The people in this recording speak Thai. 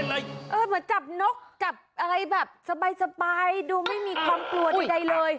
เหมือนจับนกจับอะไรแบบสบายดูไม่มีความกลัวใดเลย